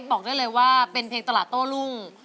บอกได้เลยว่าเป็นเพลงตลาดโต้รุ่ง